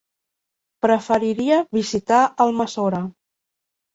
Preferiria visitar Almassora.